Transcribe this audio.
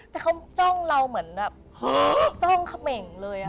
แต่เขาจ้องเราเหมือนแบบจ้องเขม่งเลย